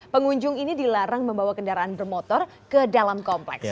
pengunjung ini dilarang membawa kendaraan bermotor ke dalam kompleks